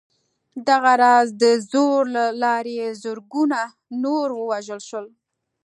دغه راز د زور له لارې زرګونه نور ووژل شول